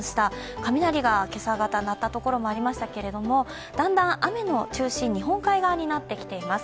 雷が今朝方鳴った所もありましたけど、だんだん雨の中心日本海側になってきています